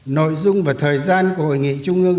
nội dung và thời gian của hội nghị trung ương